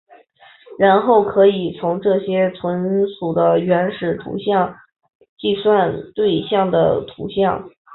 然后可以从这些存储的原始图像计算对象的图像。